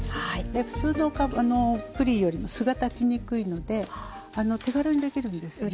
普通のプリンよりも「す」が立ちにくいので手軽にできるんですよね。